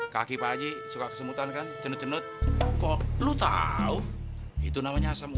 lebih baik abang aja yang sakit hati rum